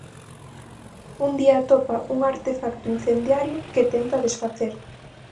Un día atopa un artefacto incendiario, que tenta desfacer.